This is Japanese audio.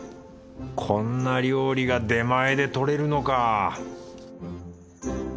こんな料理が出前で取れるのか